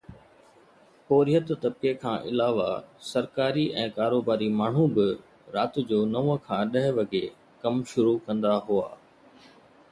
پورهيت طبقي کان علاوه سرڪاري ۽ ڪاروباري ماڻهو به رات جو نو کان ڏهه وڳي ڪم شروع ڪندا هئا